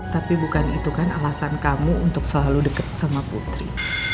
tapi bukan itu kan alasan kamu untuk selalu dekat sama putri